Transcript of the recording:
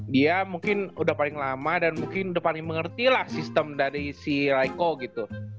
dia mungkin udah paling lama dan mungkin udah paling mengerti lah sistem dari si rico gitu